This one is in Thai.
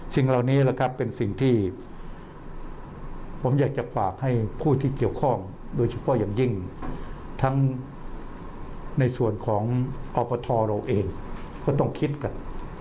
สิ่งเหล่านี้แหละครับเป็นสิ่งที่ผมอยากจะฝากให้ผู้ที่เกี่ยวข้องโดยเฉพาะอย่างยิ่งทั้งในส่วนของอบทเราเองก็ต้องคิดกัน